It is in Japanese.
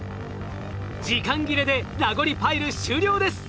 時間切れでラゴリパイル終了です。